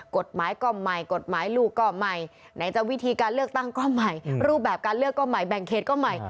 กฎหมายก็ใหม่กฎหมายลูกก็ใหม่ไหนจะวิธีการเลือกตั้งก็ใหม่รูปแบบการเลือกก็ใหม่แบ่งเขตก็ใหม่